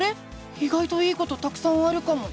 いがいといいことたくさんあるかも！